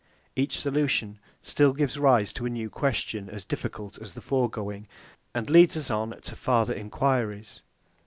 Each solution still gives rise to a new question as difficult as the foregoing, and leads us on to farther enquiries.